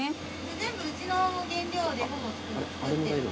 全部うちの原料でほぼ作ってるので。